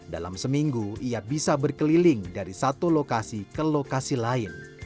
dalam seminggu ia bisa berkeliling dari satu lokasi ke lokasi lain